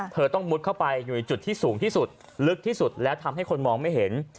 เธอต้องมุดเข้าไปอยู่ในจุดที่สูงที่สุดลึกที่สุดแล้วทำให้คนมองไม่เห็น